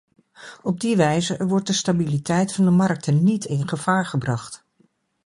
Op die wijze wordt de stabiliteit van de markten niet in gevaar gebracht.